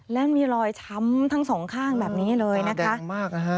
และมีรอยช้ำทั้งสองข้างแบบนี้เลยนะคะ